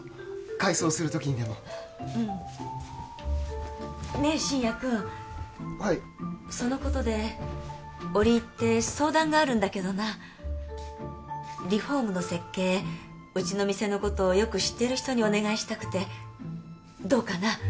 改装する時にでもうんねえ信也君はいそのことで折り入って相談があるんだけどなリフォームの設計うちの店のことよく知ってる人にお願いしたくてどうかな？